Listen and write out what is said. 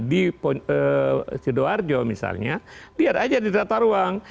di sudowarjo misalnya dia ada aja di tata ruang